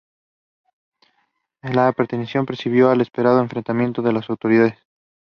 Currently he is owned by Teme Valley.